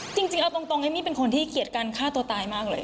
จริงเอาตรงเอมมี่เป็นคนที่เกลียดการฆ่าตัวตายมากเลย